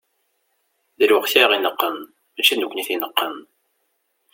D lweqt i aɣ-ineqqen, mačči d nekkni i t-ineqqen.